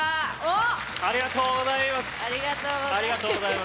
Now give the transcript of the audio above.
ありがとうございます！